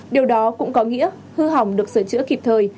điều đó cũng có nghĩa hư hỏng được sửa chữa kịp thời